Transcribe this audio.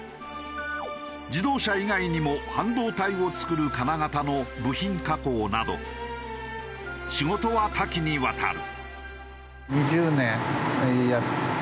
自動車以外にも半導体を作る金型の部品加工など仕事は多岐にわたる。